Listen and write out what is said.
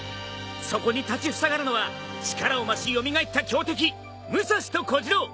そこに立ちふさがるのは力を増し蘇った強敵武蔵と小次郎。